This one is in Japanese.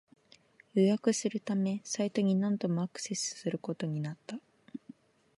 予約するためサイトに何度もアクセスすることになった